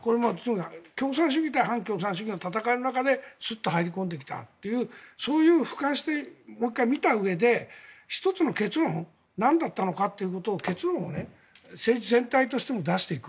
共産主義対反共産主義の戦いの中でスッと入り込んできたというそういう俯瞰して、もう１回見たうえで１つの結論なんだったのかということを政治全体としても出していく。